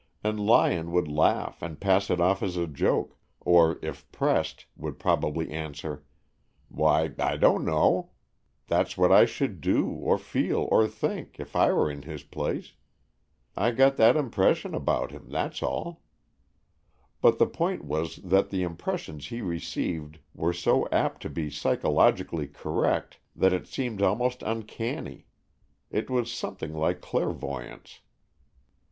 And Lyon would laugh and pass it off as a joke, or if pressed, would probably answer, "Why, I don't know; that's what I should do, or feel, or think, if I were in his place. I got that impression about him, that's all." But the point was that the impressions he received were so apt to be psychologically correct that it seemed almost uncanny. It was something like clairvoyance.